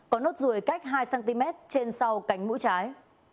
có nốt ruồi cách hai cm trên sau cánh mũi trái